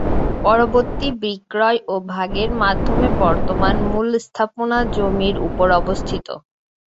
পরবর্তী বিক্রয় ও ভাগের মাধ্যমে, বর্তমান মূল স্থাপনা জমির উপর অবস্থিত।